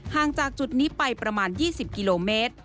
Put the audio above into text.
ห่างจากจุดนี้ไปประมาณ๒๐กิโลเมตร